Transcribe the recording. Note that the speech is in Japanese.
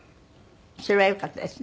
それはよかったですね。